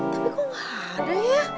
tapi kok gak ada ya